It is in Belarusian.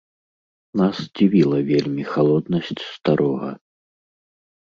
Нас дзівіла вельмі халоднасць старога.